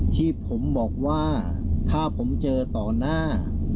ที่ผมบอกว่าถ้าผมเจอต่อหน้า